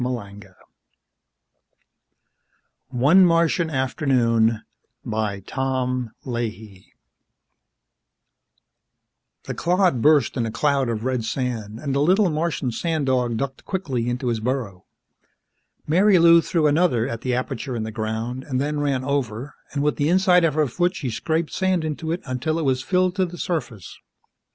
_ ONE MARTIAN AFTERNOON By Tom Leahy Illustrated by BRUSH The clod burst in a cloud of red sand and the little Martian sand dog ducked quickly into his burrow. Marilou threw another at the aperture in the ground and then ran over and with the inside of her foot she scraped sand into it until it was filled to the surface.